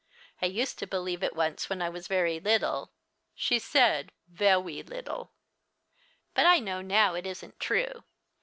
" I used to believe it once when I was very little "— she said vewmj little ;" but now I know it isn't true."